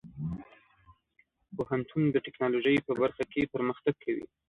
پوهنتون د ټیکنالوژۍ په برخه کې پرمختګ کوي.